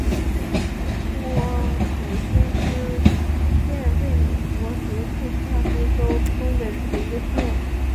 霍普金斯县位美国德克萨斯州东北部的一个县。